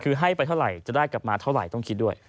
คือให้ไปเท่าไหร่จะได้กลับมาเท่าไหร่ต้องคิดด้วย